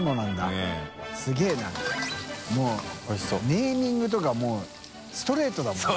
ネーミングとかもうストレートだもんな。